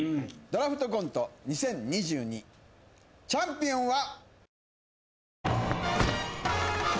『ドラフトコント２０２２』チャンピオンは。